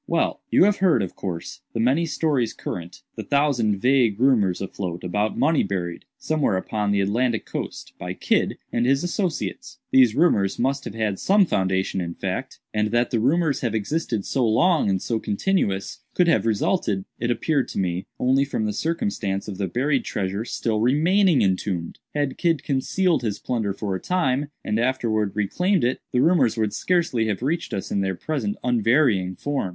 "Well; you have heard, of course, the many stories current—the thousand vague rumors afloat about money buried, somewhere upon the Atlantic coast, by Kidd and his associates. These rumors must have had some foundation in fact. And that the rumors have existed so long and so continuous, could have resulted, it appeared to me, only from the circumstance of the buried treasure still remaining entombed. Had Kidd concealed his plunder for a time, and afterwards reclaimed it, the rumors would scarcely have reached us in their present unvarying form.